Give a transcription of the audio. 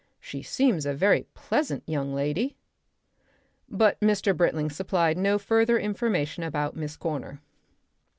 She seems a very pleasant young lady." But Mr. Britling supplied no further information about Miss Corner.